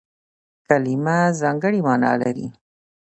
کلیمه ځانګړې مانا لري.